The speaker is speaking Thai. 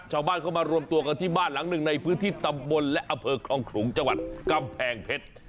ชาวบ้านเข้ามารวมตัวกันที่บ้านหลังหนึ่งในพื้นที่ตำบลและอำเภอคลองขลุงจังหวัดกำแพงเพชร